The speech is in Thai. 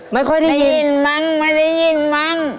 ไม่ค่อยได้ยินมั้งไม่ได้ยินมั้ง